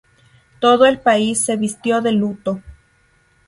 Todo el país se vistió de luto.